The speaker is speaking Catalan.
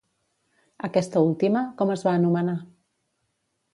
Aquesta última, com es va anomenar?